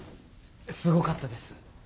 すごかったです。